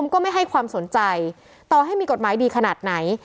ก็ไม่ให้ความสนใจต่อให้มีกฎหมายดีขนาดไหน